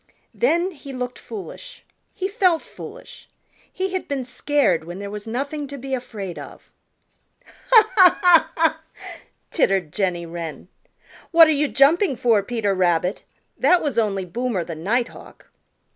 Then he looked foolish. He felt foolish. He had been scared when there was nothing to be afraid of. "Ha, ha, ha, ha," tittered Jenny Wren. "What are you jumping for, Peter Rabbit? That was only Boomer the Nighthawk."